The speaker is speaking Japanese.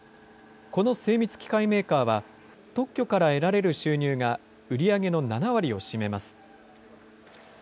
この精密機械メーカーは、特許から得られる収入が売り上げの７割を占めます。